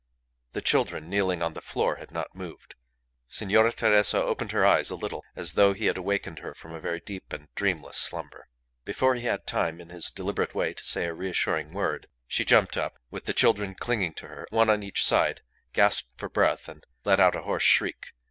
The children kneeling on the floor had not moved. Signora Teresa opened her eyes a little, as though he had awakened her from a very deep and dreamless slumber. Before he had time in his deliberate way to say a reassuring word she jumped up, with the children clinging to her, one on each side, gasped for breath, and let out a hoarse shriek.